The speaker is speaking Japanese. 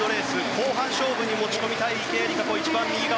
後半勝負に持ち込みたい池江璃花子。